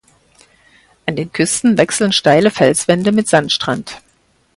An den Küsten wechseln steile Felswände mit Sandstrand.